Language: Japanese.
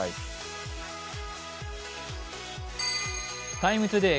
「ＴＩＭＥ，ＴＯＤＡＹ」